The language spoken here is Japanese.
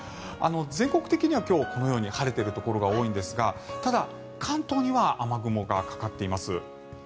全国的には今日このように晴れているところが多いんですがただ、関東には雨雲がかかっています。